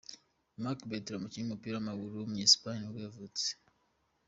Marc Bartra, umukinnyi w’umupira w’amaguru wo muri Espagne nibwo yavutse.